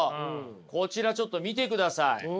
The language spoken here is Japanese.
こちらちょっと見てください。